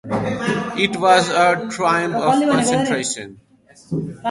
It was a triumph of concentration.